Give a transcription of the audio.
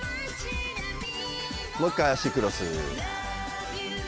もう１回脚クロス。